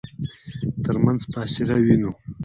ترمنځ فاصله وينو.